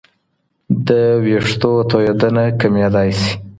د وېښتو تویېدنه کمېدای شي.